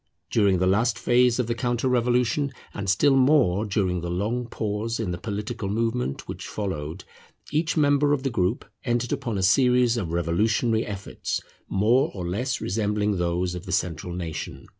During the last phase of the counter revolution, and still more during the long pause in the political movement which followed, each member of the group entered upon a series of revolutionary efforts more or less resembling those of the central nation.